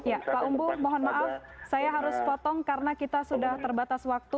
ya pak umbu mohon maaf saya harus potong karena kita sudah terbatas waktu